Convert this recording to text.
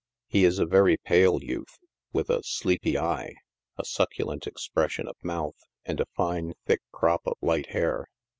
^ He is a very pale youth, with a sleepy eye, a succulent expression of mouth, and a fine, thick crop of light hair.